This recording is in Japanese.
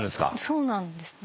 そうなんですね。